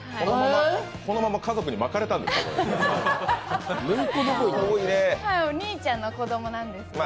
このまま家族にまかれたんですか。